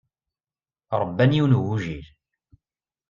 Ṛebban yiwen n ugujil.